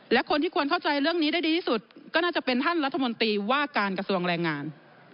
และคนที่ควรเข้าใจเรื่องนี้ได้ดีที่สุดก็น่าจะเป็นท่านรัฐมนตรีว่าการกระทรวงแรงงาน